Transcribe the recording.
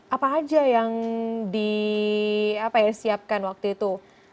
apa aja yang di apa yang disiapkan waktu itu